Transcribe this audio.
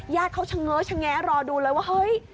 ญาติเขาเฉ๊ะรอดูเลยว่าเห้ย